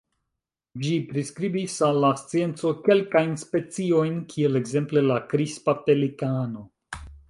Ĝi priskribis al la scienco kelkajn speciojn kiel ekzemple la Krispa pelikano.